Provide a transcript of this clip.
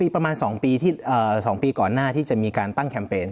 ประมาณ๒ปี๒ปีก่อนหน้าที่จะมีการตั้งแคมเปญ